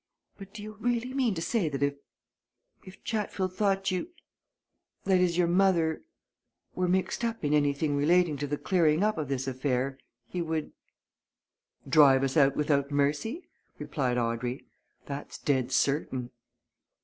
"But do you really mean to say that if if Chatfield thought you that is, your mother were mixed up in anything relating to the clearing up of this affair he would " "Drive us out without mercy," replied Audrey. "That's dead certain."